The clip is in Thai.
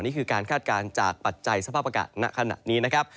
นี่คือการคาดการณ์จากปัจจัยสภาพอากาศณขณะนี้นะครับ